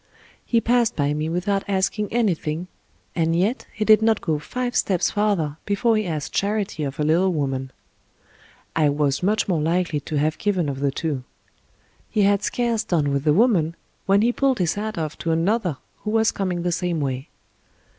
He passed by me without asking anything, and yet he did not go five steps farther before he asked charity of a little woman, I was much more likely to have given of the two. He had scarce done with the woman, when he pulled his hat off to another who was coming the same way.